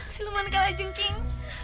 siluman kak lajengking